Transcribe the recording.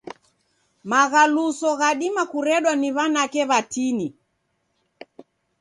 Maghaluso ghadima kuredwa ni w'anake w'atini.